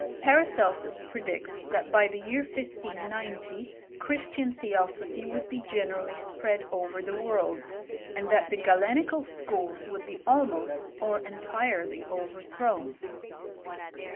Paracelsus predicts that by the year 1590 Christian theosophy would be generally spread over the world, and that the Galenical schools would be almost or entirely overthrown.